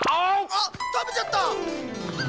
あったべちゃった！